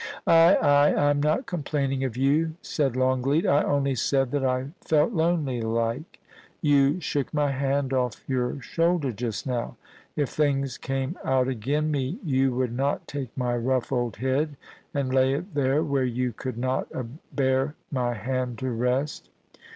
' Ay, ay ! I am not complaining of you,' said Longleat ;* I only said that I felt lonely like. ... You shook my hand off your shoulder just now. ... If things came out agen me you would not take my rough old head and lay it there, where you could not abear my hand to rest